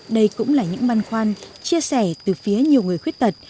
đây cũng là những băn khoăn chia sẻ từ phía nhiều người khuyết tật